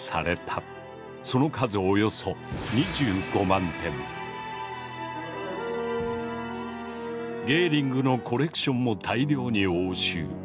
その数ゲーリングのコレクションも大量に押収。